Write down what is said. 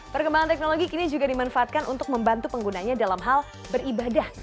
perkembangan teknologi kini juga dimanfaatkan untuk membantu penggunanya dalam hal beribadah